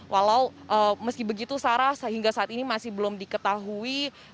walau meski begitu sarah sehingga saat ini masih belum diketahui